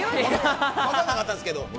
わかんなかったんですけど。